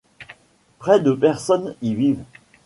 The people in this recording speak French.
Près de personnes y vivent.